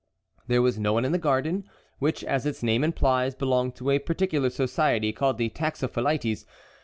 There was no one in the garden, which, as its name implies, belonged to a particular society called the Taxopholites.